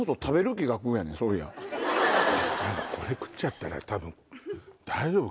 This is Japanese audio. これ食っちゃったら多分大丈夫？